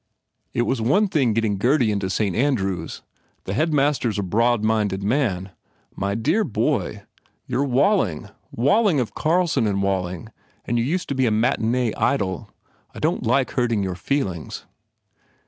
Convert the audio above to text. "It was one thing getting Gurdy into Saint Andrew s. The Headmaster s a broad minded man. ... My dear boy, you re Walling Wall ing, of Carlson and Walling and you used to be _8 7 THE FAIR REWARDS a matinee idol. ... I don t like hurting your feelings."